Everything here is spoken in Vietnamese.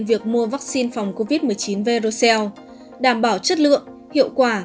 việc mua vaccine phòng covid một mươi chín verocel đảm bảo chất lượng hiệu quả